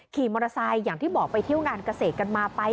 ขี่มอเตอร์ไซค์อย่างที่บอกไปเที่ยวงานเกษตรกันมาไป